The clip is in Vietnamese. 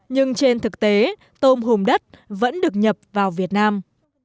nhưng trên thực tế tôm hùm đất vẫn được nhập vào việt nam